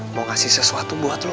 mau kasih sesuatu buat lu